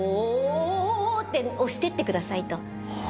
「って押してってください」と。